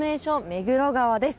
目黒川です。